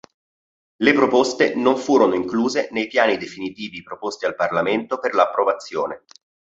Le proposte non furono incluse nei piani definitivi proposti al Parlamento per l'approvazione.